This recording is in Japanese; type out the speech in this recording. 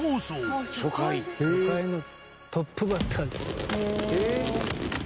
初回のトップバッターです。